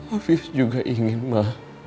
afif juga ingin ma